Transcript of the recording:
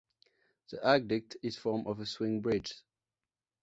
The aqueduct is a form of swing bridge.